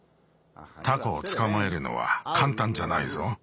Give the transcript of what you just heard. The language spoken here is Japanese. タコをつかまえるのはかんたんじゃないぞ。